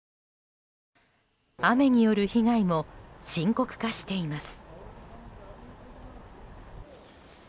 雨による被害も深刻化しています。